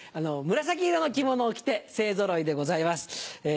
紫色の着物を着て勢ぞろいでございます。